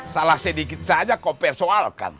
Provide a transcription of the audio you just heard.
salah sedikit saja kok persoalkan